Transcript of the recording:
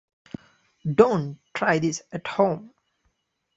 Don't Try This At Home!